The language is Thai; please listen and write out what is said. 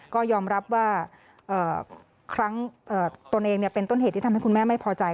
ก็ยอมรับว่าครั้งตนเองเป็นต้นเหตุที่ทำให้คุณแม่ไม่พอใจ